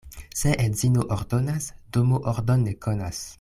Se edzino ordonas, domo ordon ne konas.